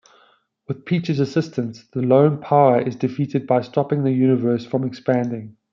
With Peach's assistance, the Lone Power is defeated by stopping the universe from expanding.